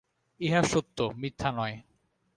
ইহা সত্য, মিথ্যা নয়।